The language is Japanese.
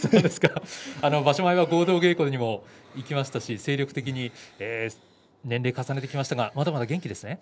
場所前には合同稽古に行きましたし精力的に稽古を重ねてきました元気ですね。